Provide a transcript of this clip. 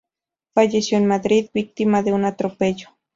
Falleció en Madrid víctima de un atropello.